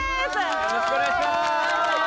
よろしくお願いします！